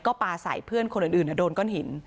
ก็ปลาใส่เพื่อนคนอื่นโดนก้อนหิน